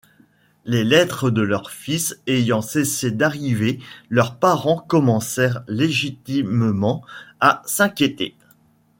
Les lettres de leurs fils ayant cessé d'arriver, leurs parents commencèrent légitimement à s'inquiéter.